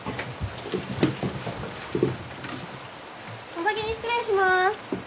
お先に失礼します。